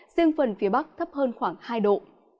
riêng phần phía bắc thấp hơn khoảng hai độ